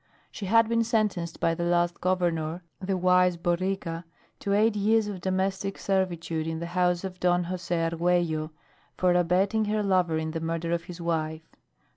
She had been sentenced by the last Governor, the wise Borica, to eight years of domestic servitude in the house of Don Jose Arguello for abetting her lover in the murder of his wife.